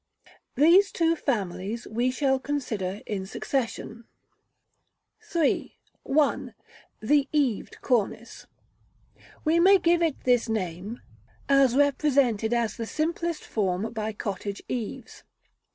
These two families we shall consider in succession. § III. 1. The Eaved Cornice. We may give it this name, as represented in the simplest form by cottage eaves.